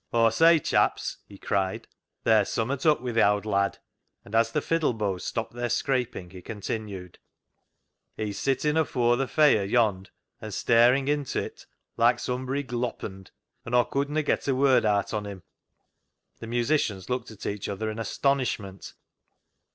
" Aw say, chaps," he cried, " there's summat up wi' th' owd lad ;" and as the fiddle bows stopped their scraping, he continued —" He's sittin' afoor th' feire yond', and staring into't like sumbry gloppened, an' Aw couldna get a word aat on him," The musicians looked at each other in astonishment.